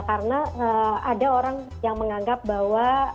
karena ada orang yang menganggap bahwa